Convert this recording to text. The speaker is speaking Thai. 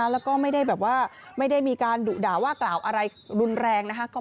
แล้วก็ไม่ได้แบบว่าไม่ได้มีการดุด่าว่ากล่าวอะไรรุนแรงนะคะ